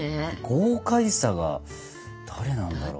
豪快さが誰なんだろう。